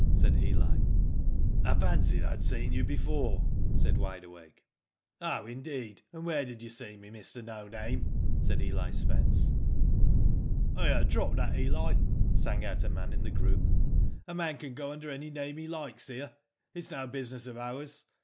" said Eli. " I fancied I had seen you before," said Wide Awake. "Oh indeed, and where did you see me, Mr, no name?" said Eli Spence. *'Here, drop that, Eli," sang out a man in the group, '* a man can go under any name he likes • here It is no business of ours."